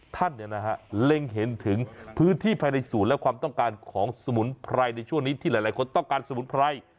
ท่านเล็งเห็นถึงพื้นที่ภายในศูนย์และความต้องการของสมุนไพรในช่วงนี้ที่หลายคนต้องการสมุนไพร